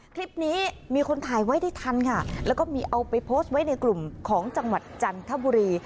คลิปนี้มีคนถ่ายไว้ได้ทันค่ะแล้วก็มีเอาไปโพสต์ไว้ในกลุ่มของจังหวัดจันทบุรี